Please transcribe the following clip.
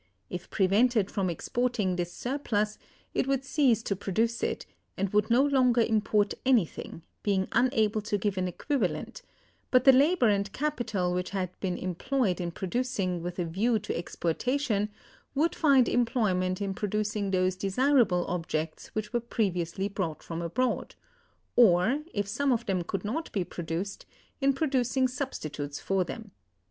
If prevented from exporting this surplus, it would cease to produce it, and would no longer import anything, being unable to give an equivalent; but the labor and capital which had been employed in producing with a view to exportation would find employment in producing those desirable objects which were previously brought from abroad; or, if some of them could not be produced, in producing substitutes for them.